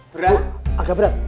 berat agak berat